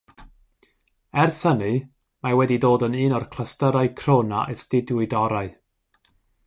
Ers hynny, mae wedi dod yn un o'r clystyrau crwn a astudiwyd orau.